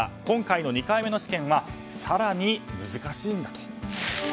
今回の２回目の試験は更に難しいんだと。